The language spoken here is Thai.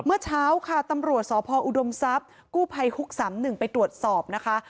เมื่อเช้าค่ะตำรวจสพออุดมทรัพย์กู้ภัยฮุก๓๑ไปตรวจสอบนะคะ